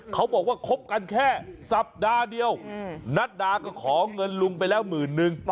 เขาบอกว่าคบกันแค่สัปดาห์เดียวนัดดาก็ขอเงินลุงไปแล้วหมื่นนึง